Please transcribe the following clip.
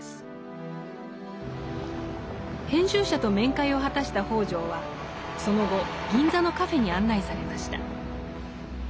編集者と面会を果たした北條はその後銀座のカフェに案内されました。